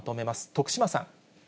徳島さん。